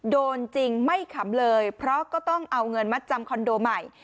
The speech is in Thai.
โดนจริงไม่ขำเลยเพราะก็ต้องเอาเงินมัดจำคอนโดใหม่